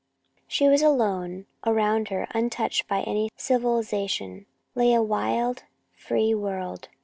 She was alone. Around her, untouched by any civilization, lay a wild, free world.